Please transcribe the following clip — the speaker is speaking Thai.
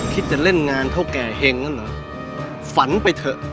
จะเล่นงานเท่าแก่เห็งนั่นเหรอฝันไปเถอะ